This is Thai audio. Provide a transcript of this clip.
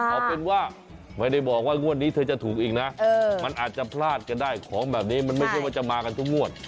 เอาเป็นว่าไม่ได้บอกว่างวดนี้เธอจะถูกอีกนะมันอาจจะพลาดกันได้ของแบบนี้มันไม่ใช่ว่าจะมากันทุกงวด